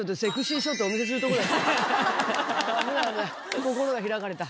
心が開かれた。